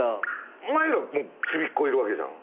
お前らもうちびっこいるわけじゃん。